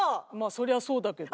そりゃそうだけど。